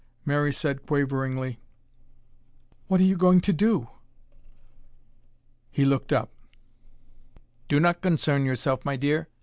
Mary said quaveringly: "What are you going to do?" He looked up. "Do not concern yourself, my dear.